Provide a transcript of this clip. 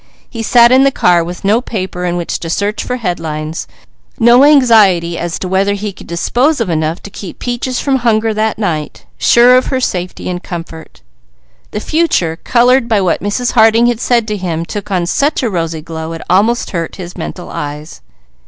He sat in the car with no paper in which to search for headlines, no anxiety as to whether he could dispose of enough to keep Peaches from hunger that night, sure of her safety and comfort. The future, coloured by what Mrs. Harding had said to him, took on such a rosy glow it almost hurt his mental eyes.